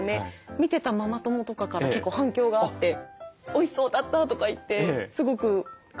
見てたママ友とかから結構反響があっておいしそうだったとか言ってすごく感想が来たりとかありましたね。